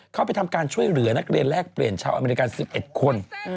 เข้าไปทำการช่วยเหลือนักเรียนแลกเปลี่ยนชาวอเมริกา๑๑คน